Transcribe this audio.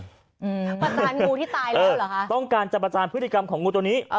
ประจานงูที่ตายแล้วเหรอคะต้องการจะประจานพฤติกรรมของงูตัวนี้